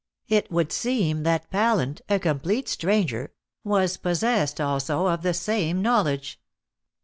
It would seem that Pallant a complete stranger was possessed also of the same knowledge.